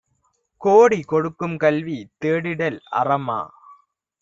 கோடி கொடுக்கும்கல்வி தேடிடல் அறமா?